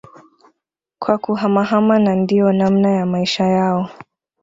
kwa kuhamahama na ndio namna ya Maisha yao